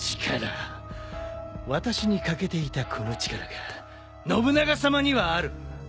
私に欠けていたこの力が信長さまにはある。